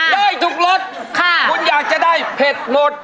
ได้ทุกรสคุณอยากจะได้เผ็ดหมด